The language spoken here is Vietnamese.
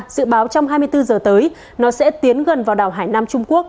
dự báo trong hai mươi bốn giờ tới nó sẽ tiến gần vào đảo hải nam trung quốc